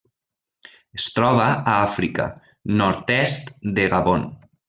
Es troba a Àfrica: nord-est de Gabon.